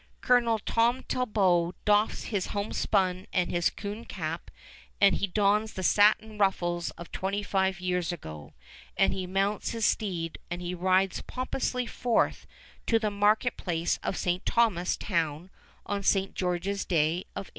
Colonel Tom Talbot doffs his homespun and his coon cap, and he dons the satin ruffles of twenty five years ago, and he mounts his steed and he rides pompously forth to the market place of St. Thomas Town on St. George's Day of 1832.